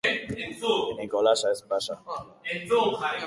Disko berria ordaintzeko izango duk... eta musikariekin dudan zorren bat.